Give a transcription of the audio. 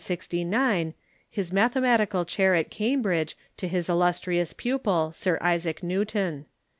^, i t yielded (1669) lus mathematical chair at Cambridge to his illustrious pupil, Sir Isaac Newton.